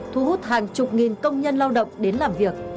thu hút hàng chục nghìn công nhân lao động đến làm việc